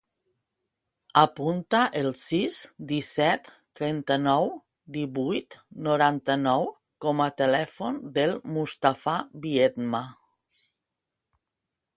Apunta el sis, disset, trenta-nou, divuit, noranta-nou com a telèfon del Mustafa Biedma.